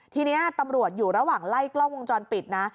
ทีนี้ตำรวจอยู่ระหว่างไล่กล้องวงจรปิดนะ